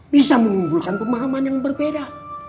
bisa menimbulkan pemahaman yang berbeda